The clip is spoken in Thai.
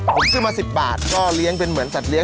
ผมซื้อมา๑๐บาทก็เลี้ยงเป็นเหมือนสัตว